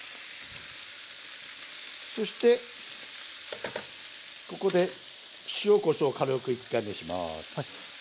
そしてここで塩・こしょう軽く１回目します。